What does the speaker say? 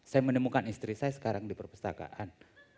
saya menemukan istri saya sekarang di perpustakaan